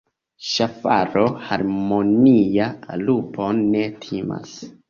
Ŝafaro harmonia lupon ne timas.